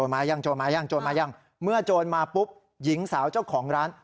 มายังโจรมายังโจรมายังเมื่อโจรมาปุ๊บหญิงสาวเจ้าของร้าน